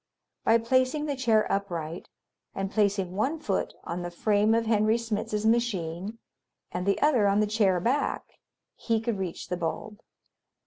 By placing the chair upright and placing one foot on the frame of Henry Smitz's machine and the other on the chair back, he could reach the bulb.